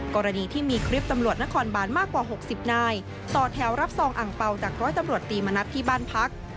กรณีที่มีคลิปตำรวจนครบานมากกว่า๖๐นายต่อแถวรับซองอ่างเปล่าจากร้อยตำรวจตีมณัฐที่บ้านพัก